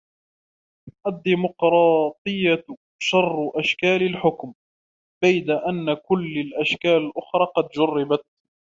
الديموقراطية شر أشكال الحكم ، بيد أن كل الأشكال الأخرى قد جُرّبت.